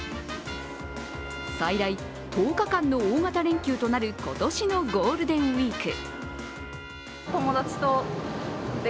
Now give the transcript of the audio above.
最大１０日間の大型連休となる今年のゴールデンウイーク。